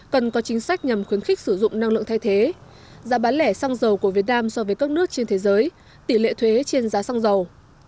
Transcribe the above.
cần có chính sách nhằm khuyến khích sử dụng năng lượng thay thế giá bán lẻ xăng dầu của việt nam so với các nước trên thế giới tỷ lệ thuế trên giá xăng dầu